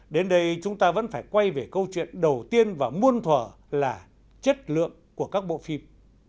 đến đây chúng ta vẫn phải quay về câu chuyện đầu tiên và muôn thở là chất lượng của các bộ phim